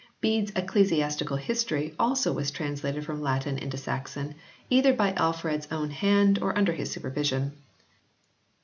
Bede s Ecclesiastical History also was translated from Latin into Saxon, either by Alfred s own hand or under his supervision.